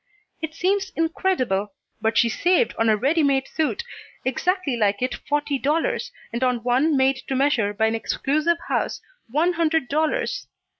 It seems incredible, but she saved on a ready made suit exactly like it forty dollars, and on one made to measure by an exclusive house, one hundred dollars!